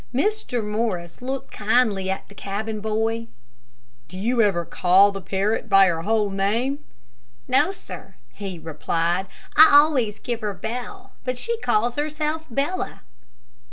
Mr. Morris looked kindly at the cabin boy. "Do you ever call the parrot by her whole name?" "No, sir," he replied; "I always give her Bell, but she calls herself Bella."